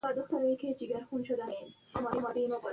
په ریشتیا چي عجایبه د رحمان یې